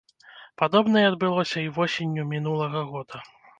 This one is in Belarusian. Падобнае адбылося і восенню мінулага года.